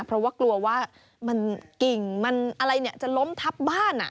เพราะว่ากลัวว่ามันกิ่งมันอะไรเนี่ยจะล้มทับบ้านอ่ะ